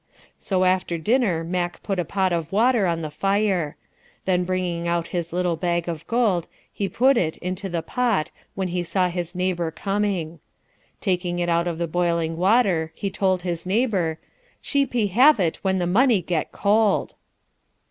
"So after dinner Mack put a pot of water on the fire. Then bringing out his little bag of gold, he put it into the pot when he saw his neighbor coming. Taking it out of the boiling water he told his neighbor, 'She pe have it when the money get cold.'